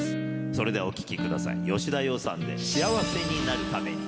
それではお聴きください、吉田羊さんで幸せになるために。